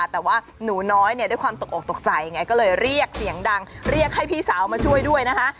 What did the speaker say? แต่ว่าหนูน้อยเนี่ยด้วยความตกออกตกใจไงก็เลยเรียกเสียงดังเรียกให้พี่สาวมาช่วยด้วยนะคะ